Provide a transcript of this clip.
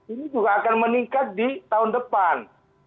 ini juga akan meningkat di tahun depan